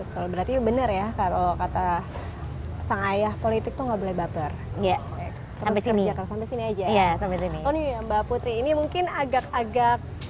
kalau berarti benar ya